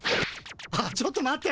あっちょっと待って。